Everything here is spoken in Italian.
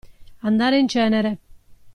Andare in cenere.